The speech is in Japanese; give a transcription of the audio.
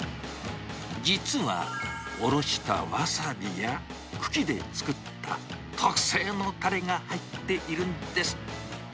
実は、おろしたわさびや、茎で作った特製のたれが入っているんです。